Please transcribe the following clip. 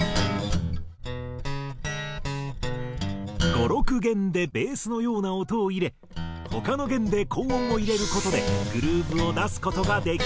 ５６弦でベースのような音を入れ他の弦で高音を入れる事でグルーヴを出す事ができるという。